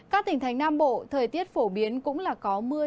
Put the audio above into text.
các tỉnh thành nam bộ thời tiết phổ biến cũng là có mưa